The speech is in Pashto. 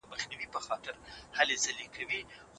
موږ باید د ښوونځي په کتابونو کې روغتیا ولولو.